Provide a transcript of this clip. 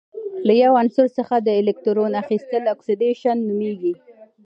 له یو عنصر څخه د الکترون اخیستل اکسیدیشن نومیږي.